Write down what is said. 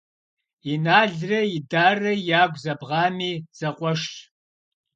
Иналрэ Идаррэ ягу зэбгъами, зэкъуэшщ.